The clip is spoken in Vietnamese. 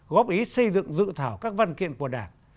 góp ý xây dựng dự thảo các văn kiện của đảng